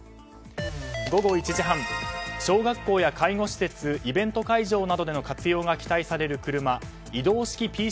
午後１時半、小学校や介護施設イベント会場などでの活用が期待される車移動式